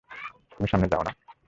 তুমি সামনে যাও না?